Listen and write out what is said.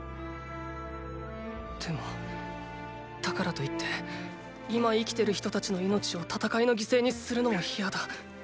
でもだからといって今生きてる人たちの命を戦いの犠牲にするのも嫌だ。